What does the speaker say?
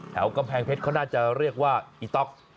กำแพงเพชรเขาน่าจะเรียกว่าอีต๊อก